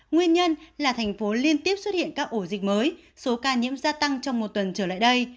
nguyên nhân là thành phố liên tiếp xuất hiện các ổ dịch mới số ca nhiễm gia tăng trong một tuần trở lại đây